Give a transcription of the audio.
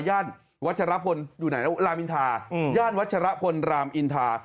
ย่านวัชรพลรามอินทราย่านวัชรพลรามอินทรา